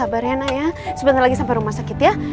kabarin aja ya sebentar lagi sampai rumah sakit ya